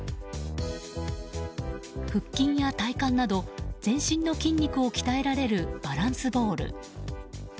腹筋や体幹など全身の筋肉を鍛えられるバランスボール。